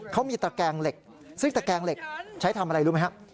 เขามีตะแกงเหล็กซึ่งตะแกงเหล็กใช้ทำอะไรรู้ไหมครับ